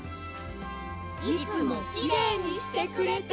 いつもきれいにしてくれて。